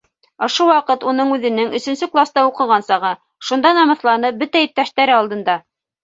Ошо ваҡыт уның үҙенең өсөнсө класта уҡыған сағы, шунда намыҫланып бөтә иптәштәре алдында: